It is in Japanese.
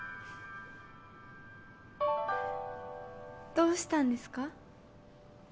どうしたんですか？